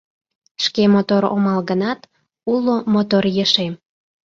Шке мотор омыл гынат, уло мотор ешем -